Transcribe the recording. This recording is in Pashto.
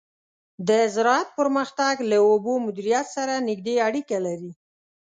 د زراعت پرمختګ له اوبو مدیریت سره نږدې اړیکه لري.